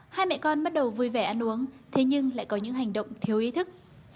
hai mẹ con bắt đầu vui vẻ ăn uống thế nhưng lại có những hành động thiếu ý thức